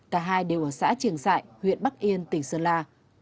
cả hai đều ở xã trường sại huyện bắc yên tỉnh sơn la